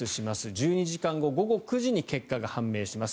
１２時間後、午後９時に結果が判明します。